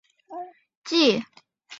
丁螺环酮用作血清素部分激动剂。